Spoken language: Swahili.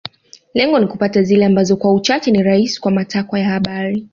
Lengo ni kupata zile ambazo kwa uchache ni rahisi kwa matakwa ya habari